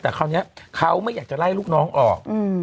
แต่คราวนี้เขาไม่อยากจะไล่ลูกน้องออก